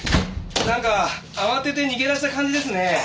なんか慌てて逃げ出した感じですね。